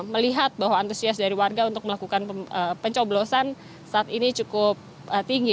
melihat bahwa antusias dari warga untuk melakukan pencoblosan saat ini cukup tinggi